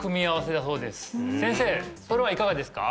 それはいかがですか？